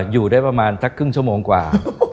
อยู่ได้ประมาณสักครึ่งชั่วโมงกว่า